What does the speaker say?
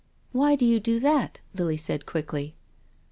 " Why do you do that?" Lily said quickly.